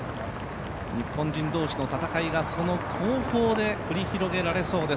日本人同士の戦いがその広報で繰り広げられそうです。